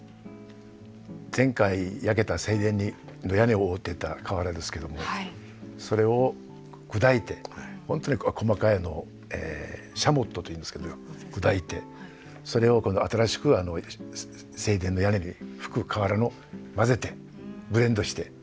前回焼けた正殿の屋根を覆ってた瓦ですけどもそれを砕いて本当に細かいのをシャモットというんですけど砕いてそれを今度新しく正殿の屋根にふく瓦の混ぜてブレンドして。